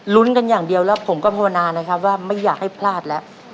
กันอย่างเดียวแล้วผมก็ภาวนานะครับว่าไม่อยากให้พลาดแล้ว